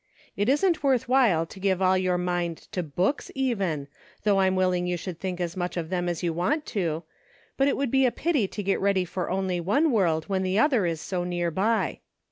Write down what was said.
It isn't worth while to give all your mind to books, even, though I'm willing you should think as much of them as you want to ; but it would be a pity to get ready for only one world, when the other is so near by.